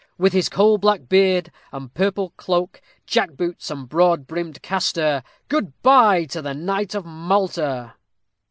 _With his coal black beard, and purple cloak, jack boots, and broad brimmed castor, Good by to the knight of Malta.